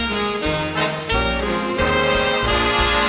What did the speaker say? เมนูไข่เมนูไข่อร่อยแท้อยากกิน